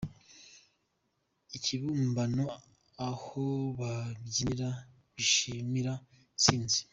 ikibumbano aho babyinira bishimira intsinzi